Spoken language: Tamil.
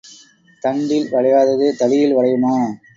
தண்டில் வளையாதது தடியில் வளையுமா?